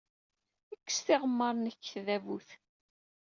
Kkes tiɣemmar-nnek seg tdabut.